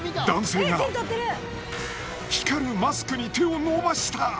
男性が、光るマスクに手を伸ばした。